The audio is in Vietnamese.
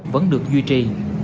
vẫn được duy trì